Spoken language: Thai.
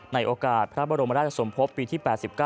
ในโอกาสพระบรมราชสมภพปีที่๘๙